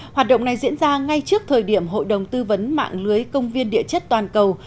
hoạt động này diễn ra ngay trước thời điểm hội đồng tư vấn mạng lưới công viên địa chất toàn cầu